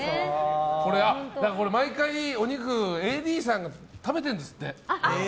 毎回お肉ＡＤさんが食べてるんですって。